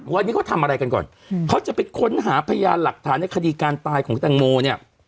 วันนี้เขาทำอะไรกันก่อนเขาจะไปค้นหาพยานหลักฐานในคดีการตายของแตงโมเนี่ย